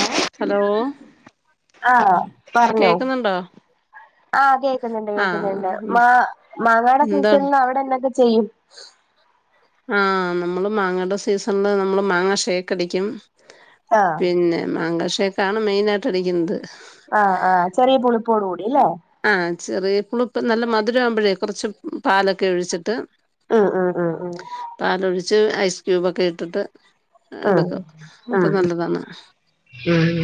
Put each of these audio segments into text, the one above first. ഏഹ് hello ആഹ് പർഞ്ഞോ. കേക്കുന്നുണ്ടോ ആഹ് കേക്ക്ന്ന്ണ്ട് ആഹ് കേക്ക്ന്ന്ണ്ട് എന്ത് മാ മാങ്ങാടെ എന്താണ് സീസൺല് അവിടെ ന്തൊക്കെ ചെയ്യും. ആഹ് നമ്മള് മാങ്ങണ്ടെ സീസണില് നമ്മള് മാങ്ങ ഷെയ്ക്കടിക്കും. ആഹ് പിന്നെ മാങ്ങ ഷെയ്ക്കാണ് മെയിനായിട്ട് അടിക്ക്ന്നത്. ആഹ് ആഹ് ചെറിയ പുളിപ്പോടു കൂടി ല്ലേ. ആഹ് ചെറിയ പുളുപ്പ് നല്ല മധുരമാവുമ്പൊഴേ കുറച്ച് പാലൊക്കെ ഒഴിച്ചിട്ട്. ആഹ് ആഹ് ആഹ് ആഹ്. പാലൊഴിച്ച് ഐസ് ക്യൂബൊക്കെ ഇട്ടിട്ട്. ഉം എടുക്കും അപ്പൊ ഉം നല്ലതാണ്. ഉം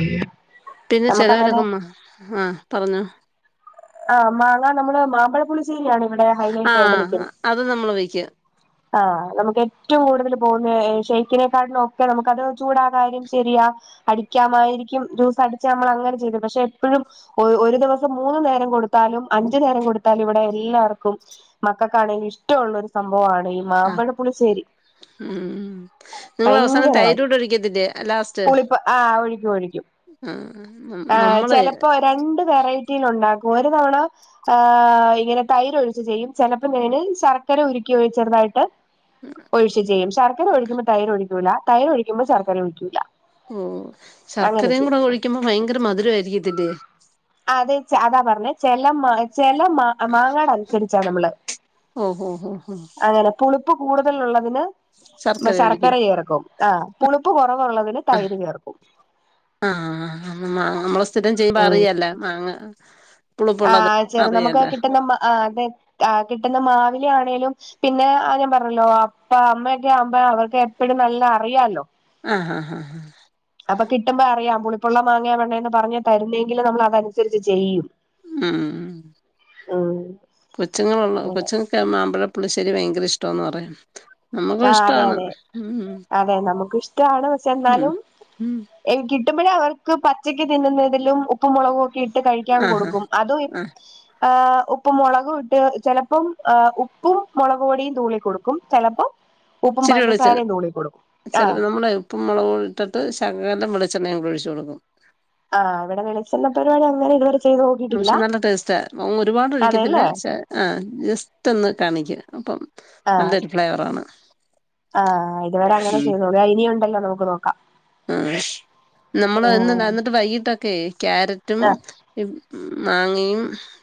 പിന്നെ നമുക്കങ്ങനെ ചെലവരൊക്കെമ്മ ആഹ് പറഞ്ഞോ. ആഹ് മാങ്ങ നമ്മള് മാമ്പളപ്പുളിശ്ശേരി ആണ് ഇവിടെ ഹൈലൈറ്റ് ആയിട്ട് ആഹ് നിൽക്കുന്നത്. അത് നമ്മൾ വയ്ക്ക്യ ആഹ് നമുക്ക് ഏറ്റവും കൂടുതൽ പോവ്ന്നെ ഷെയ്നെക്കാട്ടിലും ഒക്കെ നമക്കത് ചൂടാ കാര്യം ശരിയാ അടിക്കാമായിരിക്കും ജ്യൂസ് അടിച്ച് നമ്മൾ അങ്ങനെ ചെയ്ത് പക്ഷെ എപ്പഴും ഒരു ദിവസം മൂന്ന് നേരം കൊടുത്താലും അഞ്ചു നേരം കൊടുത്താലും ഇവിടെ എല്ലാവർക്കും മക്കൾക്കാണെങ്കിൽ ഇഷ്ടഉള്ള ഒരു സംഭവമാണീ മാമ്പഴപ്പുളിശ്ശേരി മ്ഹ്ഹ് നിങ്ങൾ അവസാനം ഭയങ്കരമാണ് തൈരൂട്ടി ഒഴിക്കത്തില്ലേ ലാസ്റ്റ് പുളിപ്പ് ആഹ് ഒഴിക്കും ആ നമ്മൾ ചെലപ്പോ രണ്ട് വെറൈറ്റിൽ ഉണ്ടാക്കും ഒരു തവണ ആഹ് ഇങ്ങനെ തൈര ഒഴിച്ചു ചെയ്യും ചെലപ്പോ നേന് ശർക്കര ഉരുക്കി ഒഴിച്ചെറുതായിട്ട് ഒഴിച്ച് ചെയ്യും ശർക്കര ഒഴിക്കുമ്പോ തൈര് ഒഴിക്കൂല തൈര് ഒഴിക്കുമ്പോ ശർക്കര ഒഴിക്കൂല്ല ഓഹ് ശർക്കരയും കൂടെ ഒഴിക്കുമ്പോ ഭയങ്കര മധുരമായിരിക്കത്തില്ലേ അത ച്ച് അതാ പറഞ്ഞെ ചെല മാ ചെല മാ മാങ്ങാട് അനുസരിച്ചാ നമ്മള് [inaudible] അങ്ങനെ പുളിപ്പ് കൂടുതലുള്ളതിന് ശർക്കര ചേർക്കും ആഹ് പുളുപ്പ് കുറവുള്ളതിന് തൈര് ചേർക്കും ആഹ് ആഹ് നമ്മളെ സ്ഥിരം ചെയ്യുമ്പോ അറിയാലോ മാങ്ങ പുളിപ്പുള്ളത് ആഹ് ചെറ നമുക്ക് അറിയാലോ കിട്ടുന്ന അതെ കിട്ടുന്ന മാവിലെ ആണെങ്കിലും പിന്നെ ഞാൻ പറഞ്ഞല്ലോ അപ്പ അമ്മയൊക്കെ ആവുമ്പോ അവർക്ക് എപ്പഴും നല്ല അറിയാല്ലോ ആഹ് ഹാ ഹാ ഹാഹ് അപ്പൊ കിട്ടുമ്പോ അറിയാം പുളിപ്പുള്ള മാങ്ങാ പെണ്ണേന്ന് പറഞ്ഞ് തരുന്നതെങ്കിൽ നമ്മൾ അതനുസരിച്ച് ചെയ്യും ഉം ഉം കൊച്ചുങ്ങളുള്ള അതെ കൊച്ചുങ്ങൾക്ക് മാമ്പഴപ്പുളിശ്ശേരി ഭയങ്കര ഇഷ്ടന്ന് പറയാം ആഹ് അതെ അതെ അതെ നമുക്ക് ഇഷ്ടാണ് പക്ഷെ ഉം എന്നാലും ഉം കിട്ടുമ്പോഴ അവർക്ക് പച്ചക്ക് തിന്നുന്നതിലും ഉപ്പു മുളകും ഒക്കെ ഇട്ട് ട്ട് കഴിക്കാൻ ആഹ് ആഹ് കൊടുക്കും അതും ഇ ആഹ് ഏഹ് ഉപ്പ് മുളകും ഇട്ട് ചിലപ്പം ഏഹ് ഉപ്പും മുളക് പൊടിയും തൂളി കൊടുക്കും ചെലപ്പം ഇച്ചിരി വെളിച്ചണ്ണ ആഹ് ചെലത് നമ്മള് ഉപ്പും മുളക് ഇട്ടിട്ട് ശകാലം വെളിച്ചെണ്ണയും അങ്ങ് ഒഴിച്ച് കൊടുക്കും ആഹ് അവിടെ വെളിച്ചെണ്ണ പരിപാടി അങ്ങനെ ഇതുവരെ ചെയ്തു പക്ഷെ നല്ല ടേസ്റ്റ ഒരുപാട് ഒഴിക്കത്തില്ല അതെല്ലേ ആഹ് ജസ്റ്റ് ഒന്ന് കാണിക്ക അപ്പം ആഹ് ഫ്ലേവർ ആണ് ആഹ് ഇതുവരെ അങ്ങനെ ചെയ്തു ആഹ് ഇനിയൂണ്ടല്ലോ നമുക്ക് നോക്കാം ആഹ് നമ്മൾ ഇന്ന് ആഹ് നടന്നിട്ട് വൈകിട്ടൊക്കെ ക്യാരറ്റും ആഹ് മാങ്ങയും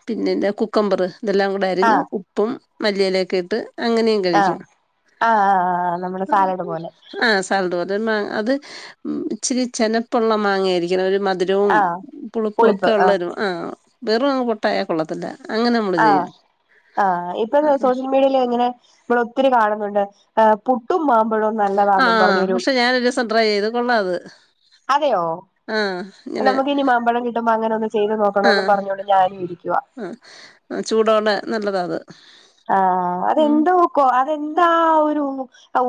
പിന്നെന്ത കുക്കമ്പർ ഇതെല്ലാം കൂടെ അരിഞ്ഞ് ആഹ് ഉ ഉപ്പും മല്ലിയിലൊക്കെ ഇട്ട് അങ്ങനെയും കഴിക്കും ആഹ് ആഹ് നമ്മുടെ സാലഡ് പോലെ ആഹ് സ് [unintelligible] അത് ഇച്ചരി ചെനപ്പ് ഉള്ള മാങ്ങയായിരിക്കും ഒരു മധു രവും ആഹ് പുളിപ്പും ഒക്കെ ഉള്ളരു ആഹ് വെറും പൊട്ടായാൽ കൊള്ളത്തില്ല അങ്ങനെ നമ്മള് ആഹ് ചെയ്യും ആഹ് ഇപ്പൊ സോഷ്യൽ മീഡിയൽ ഇങ്ങനെ നമ്മള് ഒത്തിരി കാണുന്നുണ്ട് അഹ് പുട്ടും മാമ്പഴും ആ നല്ലതാണെന്നും പറഞ്ഞുരു പക്ഷെ ഞാനൊരു ദിവസം ട്രൈ ചെയ്തു കൊള്ളാം അത് അതെയോ ആഹ് അല്ല ഇങ്ങനെ നമുക്ക് ഇനി മാമ്പഴം കിട്ടുമോ അങ്ങനെ ഒന്ന് ചെയ്ത് നോക്കണോന്ന് ആഹ് പറഞ്ഞുകൊണ്ട് ഞാനും ഇരിക്കുവാ ആഹ് ആ ചൂടോടെ നല്ലതാത് ആഹ് അതെന്തോ അതെന്താ ഒരു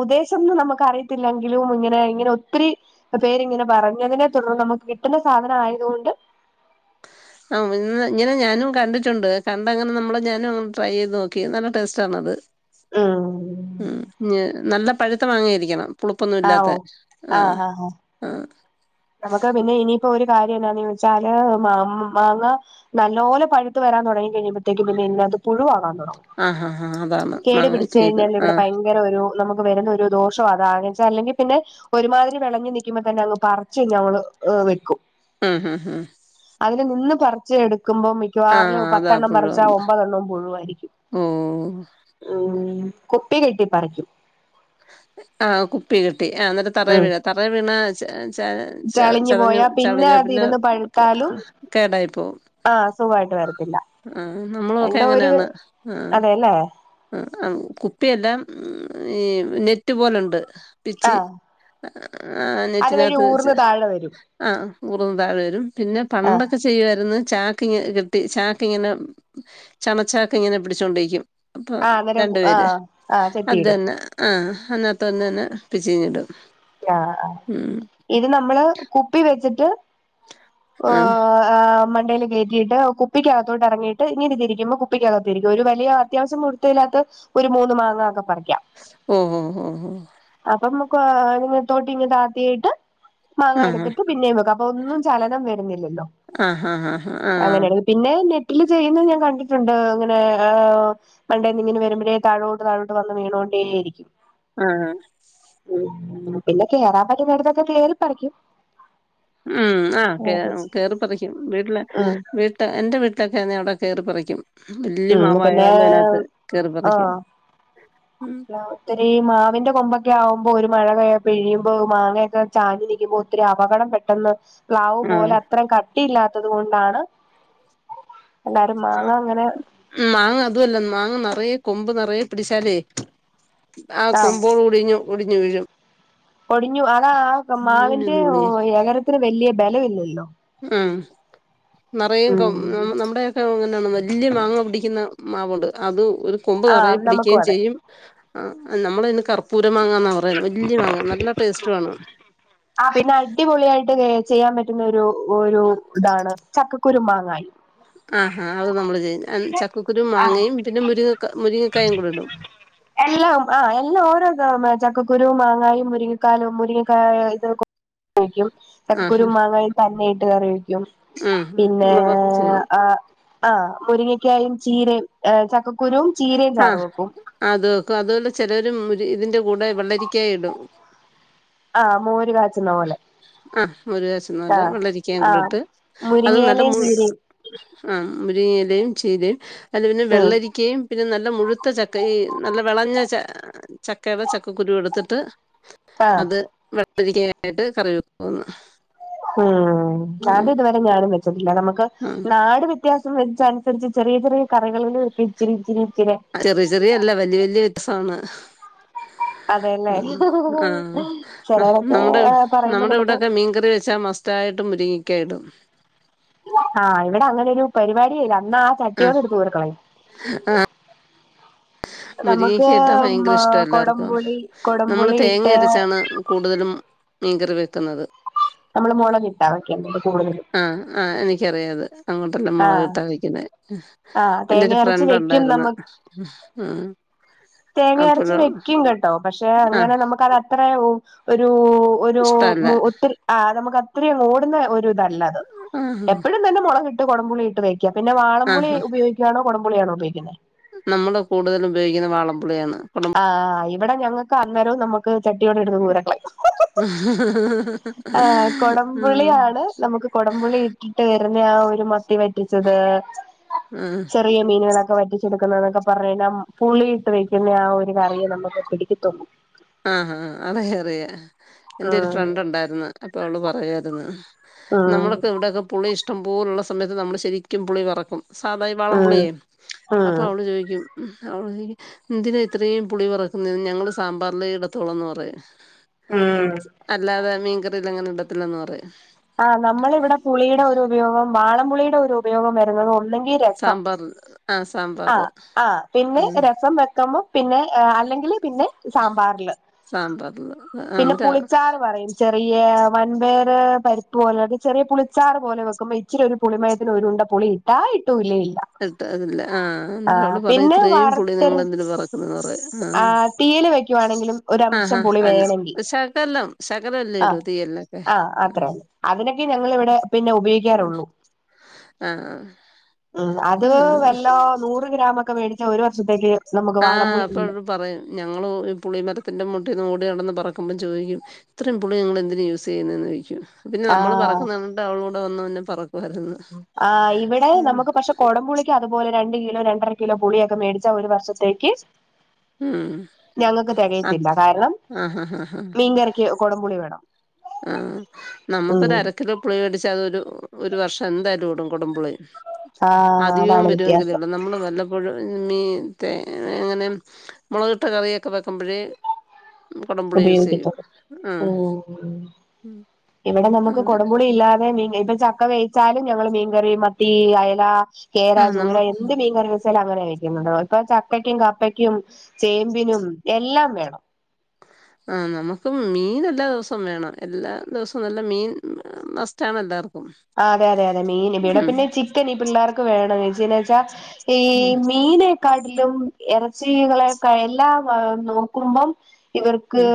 ഉദ്ദേശന്ന് നമുക്ക് അറിയത്തില്ലെങ്കിലും ഇങ്ങനെ ഇങ്ങനെ ഒത്തിരി പേരിങ്ങനെ പറഞ്ഞതിനെ തുടർന്ന് നമുക്ക് കിട്ടുന്ന സാധനം ആയതുകൊണ്ട് അങ്ങനെ ഇങ്ങനെ ഞാനും കണ്ടിട്ടുണ്ട് കണ്ടങ്ങനെ നമ്മള് ഞാനും അങ്ങനെ ട്രൈ ചെയ്ത് നോക്കി നല്ല ടേസ്റ്റ് ആണത്. ഉം ഉം നല്ല പഴുത്ത മാങ്ങയായിരിക്കണം. പുളിപ്പൊന്നും ആഹ് ഇല്ലാത്ത ഓ ആഹ് ആഹ് നമുക്ക് പിന്നെ ഇനിയിപ്പോ ഒരു കാര്യം എന്താന്ന് ചോദിച്ചാല് മാ മാങ്ങ. നല്ലോലെ പഴുത്ത് വരാൻ തുടങ്ങി കഴിയുമ്പഴത്തേക്കും പിന്ന ഇതിനകത്തു പുഴുവാ കാണു ആഹ് ഹാ ഹാ അതാണ് കേടു മാങ്ങ പിടിച്ച് ചെയ്ത് കഴിഞ്ഞാൽ ഇവിടെ ആഹ് ഭയ ങ്കര ഒരു നമുക്ക് വരുന്ന ഒരു ദോഷം അതാ എന്ന് വെച്ചാ അല്ലെങ്കി പിന്നെ ഒരുമാതിരി വിളഞ് നിക്കുമ്പോ തന്നെ അതങ്ങ് പ റിച്ച് ഞങ്ങൾ വെക്കും. ഉം ഹു ഹും. അതില് നിന്ന് പറിച്ച് എടുക്കുമ്പോ മി ആഹ് ക്കവാറിലും അതാ പത്തെണ്ണം പറിച്ച പുഴുവാവുന്നെ ഒമ്പതെണ്ണവും പുഴുവായിരിക്കും. ഓഹ് ഉം കുപ്പി കെട്ടി പറിക്കും. ആഹ് കുപ്പി കെട്ടി ആ ഇന്നെട്ട് തറേ ഉം വീഴാ തറേ വീണ ചെ ച ച ചളിഞ്ഞു ചവഞ്ഞു പോയാ ചവഞാ പിന്നെ അതിരുന്ന് പഴുത്താലും കേടായി പോവും. ആഹ് സുഖായിട്ട് വരത്തില്ല. ആ നമ്മളൊക്കെ എന്തോ ഒരു അങ്ങനെയാണ് ആഹ്. അതെല്ലേ ആ ഉം കുപ്പിയല്ലാ ഈ നെറ്റ് പോലുണ്ട് പിച്ച് ആഹ് ആഹ് അതുവഴി നെറ്റിനാത്ത് ഊർന്ന് വെച്ച്. താഴെ വരും ആ ഊർന്ന് താഴെ വരും പിന്നെ ആഹ് പണ്ടൊക്കെ ചെയ്യുവായിരുന്നു ചാക്കിങ്ങനെ കെട്ടി ചാക്ക്ങ്ങനെ ചമച്ചാക്ക്ങ്ങനെ പിടിച്ചോണ്ട് നിക്കും. അപ്പൊ ആഹ് അന്നേരം രണ്ടു പേര് ആഹ് ആഹ് അത് ചെത്തിയിടും തന്നെ. ആഹ് അതിനാത്തന്നെ അങ്ങ് പിച്ചീഞിടും ആഹ് ഇത് നമ്മള് കുപ്പി വെച്ചിട്ട് ആ ഏഹ് മണ്ടേല് കയറ്റിയിട്ട് കുപ്പിക്കകത്തോട്ട് എറങ്ങിയിട്ട് ഇങ്ങനെ തിരിക്കുമ്പോ കുപ്പിക്കകത്തിരിക്കും ഒരു വലിയ അത്യാവിശ്യം വ ല്‌പ്പവില്ലാത്ത ഒരു മൂന്ന് മാങ്ങൊക്കെ പറിക്കാം. ഓ ഹോ ഹോ. അപ്പമ്മക്ക് ഇങ്ങന തോട്ടിയിങ്ങ് താത്തിയിട്ട് ആ മാങ്ങയെടുത്തിട്ട് പിന്നെയും വെക്കാം. ഒന്നും ചലനം വരുന്നില്ലല്ലോ ആ ഹ ഹാ ആഹ് ആഹ് അങ്ങനെയാണ് പിന്നെ നെറ്റില് ചെയ്യുന്നത് ഞാൻ കണ്ടിട്ടുണ്ട് ഇങ്ങനെ. മണ്ടേന്നിങ്ങനെ വരുമ്പഴേ താഴോട്ട് താഴോട്ട് വന്ന് വീണോണ്ടേയിരിക്കും. ആഹ്. ഉം പിന്നെ കേറാൻ പറ്റുന്നോർകൊക്കെ കേറി പറിക്കും. ഉം ആ അതെ കേറി പറിക്കും വീട്ടിലെ ഉം വീ ട്ട് എന്റെ വീട്ടിലൊക്കെയാന്നെ അവിടെ കേറി പറിക്കും. വല്ല്യ ഉം പിന്നെ മാവായാലും അതിനകത്ത് കേറി പറിക്കും. ആഹ് ഒത്തിരി മാവിന്റെ കൊമ്പൊക്കെയാവുമ്പോ ഒരു മഴ പെയ്യുമ്പോ മാങ്ങയൊക്കെ ചാഞ് നിക്കുമ്പോ ഒത്തിരി അപകടം പെട്ടെന്ന്. പ്ലാവ് ആഹ് പോലെ അത്രയും കട്ടിയില്ലാത്തത് കൊണ്ടാണ്. എല്ലാരും മാങ്ങ അങ്ങനെ ഉം മാങ്ങ അതുവല്ല മാങ്ങ നെറയ കൊമ്പ് നെറയ പിടിച്ചാലേ ആ കൊമ്പോട് കുടിഞ് ഒടിഞ്ഞ് വീഴും. പൊടിഞ്ഞു അതാ ആ മാവിന്റെ മാളൂനൊന്ന് വിളിയെ എകരത്തിന് വല്ല്യ ബലവില്ലല്ലോ. ഉം നെറയും ഉം കൊ നമ്മുടെ അങ്ങനെയാണ് വല്ല്യ മാങ്ങ പിടിക്കുന്ന മാവുണ്ട് അത് ഒരു കൊമ്പ് ആ നെറയെ നമുക്കും പിടിക്ക്യേം അതെ ചെയ്യും. ആ നമ്മളയിന് കർപ്പൂര മാങ്ങന്നാ പറയുന്നത് വല്ല്യ മാങ്ങ നല്ല ടേസ്റ്റുവാണ്. ആ പിന്നെ അടിപൊളിയായിട്ട് ചെയ്യാൻ പറ്റുന്നൊരു ഒരു ഇതാണ് ചക്കക്കുരു മാങ്ങായി. ആഹാ അത് നമ്മള് ചെയ്യ്ന്നാ ചക്കക്കുരു, മാങ്ങയും, പിന്നെ മുരിങ്ങ മുരിങ്ങക്കായും കൂടിയിടും. എല്ലാം ആ എല്ലാം ഓരോ [unintelligible] ചക്കക്കുരു, മാങ്ങായും, മുരിങ്ങക്കാലും, മുരിങ്ങക്കായ, ഇത് കറിവെക്കും ആഹാ ചക്കക്കുരും, മാങ്ങയും, തന്നെയിട്ട് കറിവെക്കും. ഉം പിന്നേ മുളകൊക്കെ ചെയ്യും ആ ആഹ് മുരിങ്ങക്കായും, ചീരയും, ചക്കക്കുരുവും, ചീരയും, ചാറ് വെക്കും. ആ അത് വെക്കും അതുപോലെ ചെലവര് ഇതിന്റെ കൂടെ വെള്ളരിക്കായിടും ആഹ് മോര് കാച്ചുന്ന പോലെ ആഹ് മോര് കാച്ചുന്ന പോലെ ആഹ് വെള്ളരിക്കയും ആഹ് കൂടിട്ട് അത് നല്ല മുരിങ്ങയിലയും മു ചീരയും ആ മുരിങ്ങയെലയും, ചീരയും, അതില് പിന്നെ ഉം വെള്ളരിക്കയും പിന്നെ നല്ല മുഴുത്ത ചക്ക ഈ നല്ല വെളഞ്ഞ ച ചക്കയുടെ ചക്കക്കുരുവെടുത്തിട്ട് ആഹ് അത് വെള്ളരിക്കെആയിട്ട് കറിവെക്കോന്ന് ഉം അത് ഇതുവരെ ഞാനും വെച്ചിട്ടില്ല നമുക്ക് ആ നാട് വ്യ ത്യാസം വെച്ചനുസരിച്ച് ചെറിയ ചെറിയ കറികളിലും ഇച്ചിരി ഇച്ചിരി ഇച്ചിരിയെ ചെറിയ ചെറിയല്ല വലിയ വലിയ എക്സാമ് [unintelligible] ആഹ് ചിലരൊക്കെ നമ്മുടെ പറയുമ്പോ നമ്മുടെ നമുക്ക് ഇവിടൊ ക്കെ മീൻകറി വെച്ചാ മസ് തായിട്ട് മുരിങ്ങക്ക ഇടും ആഹ് ഇവിടെ അങ്ങനൊരു പരിപാടിയേ ഇല്ല അന്ന് ആഹ് ആ ചട്ടിയോട് എടുത്ത് ദൂരെ കളയും മുരിങ്ങക്കയിട്ടാ ഭയങ്കര മ ഇഷ്ടാ എല്ലാർക്കും കൊടംപുളി നമ്മള് കൊടംപുളി ഇട്ട് തേങ്ങ അരച്ചാണ് കൂടുതലും മീങ്കറി വെക്കുന്നത് നമ്മള് മൊള കിട്ടാവെക്കെണ്ടത് കൂടുതലും ആഹ് ആഹ് എനിക്കറിയാ അത് അങ്ങോട്ടെല്ലാം മൊളക് ആഹ് ഇട്ടാ വെക്കുന്നെ ആഹ് എന്റൊരു തേങ്ങ അരച്ച് ഫ്രണ്ട് വെക്കും ഒണ്ടാര്ന്ന് നമ്മ ഉം തേങ്ങ അരച്ച് വെക്കും കേട്ടോ പക്ഷെ ആ അങ്ങനെ നമുക്ക് അത് അത്ര ഒരൂ ഒരൂ ഇഷ്ടല്ല ഒത്തിരി ആഹ് നമുക്ക് അത്രയും ഓടുന്ന ഒരു ഇതല്ല അത് ആ എപ്പൊഴും തന്ന മൊളകി ട്ട് കൊടമ്പുളിയിട്ട് വെക്കും പിന്നെ വാളം ആ പുളിഉപയോഗിക്കയാണോ കൊടപുളിയാണോ ഉപയോഗിക്കുന്നെ നമ്മള് കൂടുതല് ഉപയോഗിക്കുന്ന വാളംപുളിയാണ്. ആഹ് ഇവിടെ ഞങ്ങൾക്ക് അന്നേരോം നമു ക്ക് ചട്ടിയോടെ എടുത്ത് ദൂരെക്ക ളയും ആഹ് ഉം കൊടംപുളിയാണ് നമുക്ക് കൊടപുളി ഇട്ടിട്ട് വരുന്നെ ആഹ് ഒരു മത്തി വറ്റിച്ചത് ചെറിയ മീനുകളക്കെവ റ്റിച്ചെടുക്കുന്നതൊക്കെ പറയണം പുളി ഇട്ട് വെക്കു ന്ന ആഹ് ഒരു കറിയെ നമുക്ക് പിടിക്കത്തൊള്ളൂ ആഹ് ആഹ് അതെ അതെ എന്റെ ഒരു ആഹ് ഫ്രണ്ട് ഒണ്ടാരുന്ന് അപ്പൊ അവള് പറയാരുന്ന് നമ്മളൊക്കെ ഇവിടൊക്കെ പുളി ഇഷ്ടം പോലുള്ള സമയത്ത് നമ്മള് ശെരിക്കും പുളി പറക്കും സാദായി ആഹ് വാളംപുളിയെ അപ്പൊ ആഹ് അവള് ചോദിക്കും അവള് ചോദിക്കും എന്തിനാ ഇത്രയും പുളി പറക്കുന്നെ ഞങ്ങൾ സാമ്പാറിലെ ഇടത്തോളന്ന് പറയും ഉം അല്ലാതെ മീൻകറിയിൽ അങ്ങനെ ഇടത്തില്ലെന്നു പറയും ആഹ് നമ്മളിവിടെ പുളിയുടെ ഒരു ഉപയോഗം വാളംപുളിയുടെ ഒരു ഉപയോഗം വരുന്നത് ഒന്നെങ്കി രസം സാമ്പാറ് ആഹ് സാമ്പാ ആഹ് ആഹ് പിന്നെ രസം വെക്കുമ്പം പിന്നെ അല്ലെങ്കിൽ പിന്നെ സാമ്പാറില് സാമ്പാറില് ആ പിന്നെ എന്നിട്ട് പുളിച്ചാറ് പറയും ചെറിയ വൻപയറ് പരിപ്പ് പോലെ ഒരു ചെറിയ പുളിച്ചാറ് പോലെ വെക്കുമ്പോ ഇച്ചിരി ഒരു പുളിമയത്തിന് ഒരുരുണ്ട പുളിയും ഇടായിട്ടൂ ഇല്ലേ ഇല്ല ഇട്ട് അതല്ല ആഹ് ആഹ് അന്നേരം അവള് പറയും പിന്നെ ഇത്രയും പുളി വറുത്തരച്ച് നിങ്ങളെന്തിന് പറക്കുന്നെന്ന് പറയും ആഹ് തീയില് വെക്കുവാണെങ്കിലും ആഹ് ആഹ് ഒരംശം ആഹ് പുളി വേണെങ്കി അന്ന ശകലം ശകലല്ലെ ഇടൂ തീയലിലൊക്കെ ത്രം അതിനൊക്കെ ഞങ്ങളിവിടെ പിന്നെ ഉപയോഗിക്കാറുള്ളൂ ആഹ് ആഹ് ഉം അത് വല്ലോ നൂറ് ഗ്രാമൊക്കെ മേടിച്ചാ ഒരു വർഷത്തേക്ക് നമുക്ക് ആഹ് വാളംപുളി ഉണ്ട് അപ്പഴും പറയും ഞങ്ങള് ഈ പുളിമരത്തിൻ്റെ മൂട്ടീന്ന് ഓടി നടന്ന് പറക്കുമ്പോൾ ചോദിക്കും ഇത്രയും പുളി നിങ്ങൾ എന്തിന് യൂസെയ്യുന്നേന്ന് ചോദിക്കും പിന്നെ നമ്മള് ആഹ് പറക്കുന്നത് കണ്ട് അവളുകൂടെ വന്ന് പറക്കു മായിരുന്നു ആഹ് ഇവിടെ നമുക്ക് പക്ഷെ കൊടംപുളിക്ക് അതുപോലെ രണ്ട് കിലോ രണ്ടര കിലോ പുളിയൊക്കെ മേടിച്ച ഒരു വർഷത്തേക്ക് ഉം ഞങ്ങക്ക് തികയത്തില്ല അത് കാരണം ആഹ് ആഹ് ആഹ് ആഹ് മീൻകറിക്ക് കൊടം പുളി വേണം ആഹ് നമുക്ക് ഉം ഒരു അരക്കിലോ പുളിപിടിച്ചാ അത് ഒരു ഒരു വർഷം എന്തായാലും ഓടും കൊടംപുളി ആഹ് അധികവും അതാണ് വരുമവെങ്കിലേ വ്യത്യാസം ഒള്ളൂ നമ്മള് വല്ല പ്പോഴ് മീൻ തെ അങ്ങനെ മൊളകിട്ട് കറിയൊക്കെ വെക്കുമ്പോഴ് കൊടം പുളി യൂസ് ചെയ്യും ഉപയോഗിക്കത്തുള്ളൂ ആഹ് ഉം ഇവിടെ നമക്ക് അങ്ങനെ കൊടം പുളി ഇല്ലാതെ മീൻ വെ ഇപ്പ ച ക്ക വേവിച്ചാലും ഞങ്ങള് മീൻകറി മത്തി അയല കേര ആഹ് നമ്മ ചൂര എന്തി മീൻകറി വെച്ചാല് അങ്ങനെ വെയ്ക്കുന്നത് ഇപ്പൊ ചക്കയ്ക്കും കപ്പയ്ക്കും ചേമ്പിനും എല്ലാം വേണം ആഹ് നമുക്കും മീൻ എല്ലാ ദിവസവും വേണം എല്ലാ ദിവസവും എന്നല്ല മീൻ മസ്റ്റാണ് എല്ലാവർക്കും ആഹ് അതെ അതെ അതെ മീൻ ഇവിടെ ഉം പിന്നെ ചിക്കൻ ഈ പിള്ളേർക്ക് വേണം എന്നാന്നു വെച്ചാ ഈ ഉം മീന് കാടിലും ഇറച്ചികളാക്കെ എല്ലാം നോക്കുമ്പം ഇവർക്ക് ഉം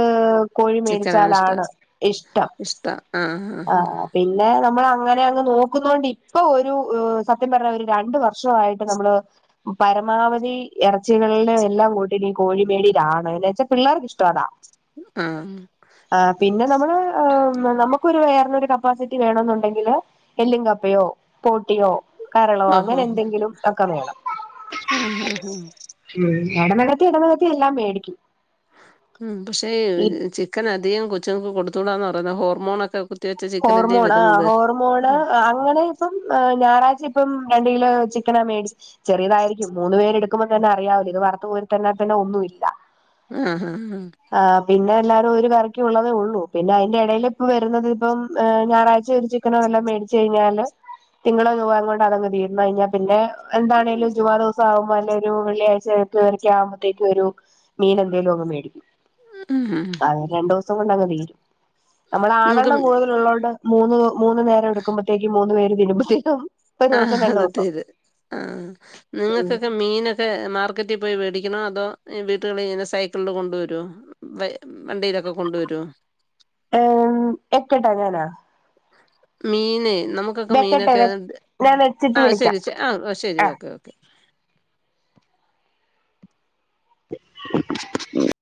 കോഴി ചിക്കനാണ് ഇഷ്ട മേടിച്ചാലാണ് ഇഷ്ടം ഇഷ്ട ആഹ് ആഹ് പിന്നെ നമ്മള് അങ്ങനെ അങ്ങ് നോക്കുന്ന കൊണ്ട് ഇപ്പൊ ഒരു സത്യം പറഞ്ഞാ ഒരു രണ്ട് വർഷം ആയിട്ട് നമ്മള് പരമാവധി എറച്ചികളിലെ എല്ലാം കൂട്ടി നീ കോഴിമേടിയിലാണ് എന്ന് വെച്ചാൽ പിള്ളേർക്ക് ഇഷ്ടം അതാ ഉംഹ് ആഹ് പിന്നെ നമ്മള് നമക്ക് ഒരു വേറെ ഒരു കപ്പാസിറ്റി വേണോന്ന് ഒണ്ടെ ല് എല്ലും കപ്പയോ പോട്ടിയോ കരളോ ഓഹോ അങ്ങനെ എന്തെങ്കിലും ഒക്കെ വേണം ആഹ് ആഹ് ഉം ഇടനെകത്തി ഇടനെകത്തി എല്ലാം മേടിക്കും ഉം പക്ഷേ ഈ ചിക്കൻ അധികം കൊച്ചുങ്ങൾക്ക് കൊടുത്തൂടാന്ന് പറയുന്ന ഹോർമോൺ ഒക്കെ കുത്തി ഹോർമോണ് ആഹ് ഹോർമോണ് അങ്ങനെ പ്പം ഞായറാഴ്ച ഇപ്പം രണ്ട് കിലോ ചിക്കൻ ഞാൻ മേടി ചെറിയത് ആയിരിക്കും മൂന്ന് പേര് എടുക്കുമ്പൊ തന്നെ അറിയാം ഇത് വറുത്ത് കോരി തന്നെ തന്നെ ഒന്നും ഇല്ല ഉംഹ് ആഹ് പിന്നെ എല്ലാരും ഒരു കറിക്ക് ഒള്ളതേ ഒള്ളൂ പിന്നെ അതിന്റെ ഇടേൽ ഇപ്പൊ വരുന്നത് ഇപ്പം ഞായറാഴ്ച ഒരു ചിക്കനോ വെല്ലാം മേടിച്ച് കഴിഞ്ഞാല് തിങ്കളോ ചൊവ്വ അങ്ങോട്ട്‌ അതങ്ങട് തീർന്നു കഴിഞ്ഞാ പിന്നെ എന്താണേലും ചുവാ റോസ് സാബുമാന്റെ ഒരു വെള്ളിയാഴ്ച എട്ടര ഒക്കെ ആകുമ്പത്തേക്ക് ഒരു മീന് എന്തേലും അങ്ങ് മേടിക്കും ആഹ് അത് രണ്ടു ദിവസം കൊണ്ട് അങ്ങ് തീരും നമ്മള് നിങ്ങക്ക് ആളെണ്ണം കൂടുതൽ ഒള്ളോണ്ട് മൂന്ന് മൂന്ന് നേരം എടുക്കുമ്പത്തേക്ക് മൂന്ന് പേര് കഴീമ്പോ തീരും ആഹ് ആദ്യത്തേത് ആഹ് ഉം നിങ്ങക്കൊക്കെ മീന് മാർക്കറ്റിൽ പോയി മേടിക്കണോ അതോ വീട്ടുകളിൽ ഇങ്ങനെ സൈക്കിളില് കൊണ്ടു വരുവോ വെ വണ്ടിയില് ഒക്കെ കൊണ്ടു വെരുവോ ഏഹ് എക്കട്ടാങ്ങാനാ മീന് നമുക്ക് ഒക്കെ മീന് വെക്കട്ടെ ഒക്കെ ഞാൻ വെച്ചിട്ട് ആഹ് ശെരി വിളിക്കാം ആഹ് ശെരി ഓക്കെ ഓക്കെ [unintelligible]